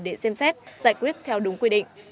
để xem xét giải quyết theo đúng quy định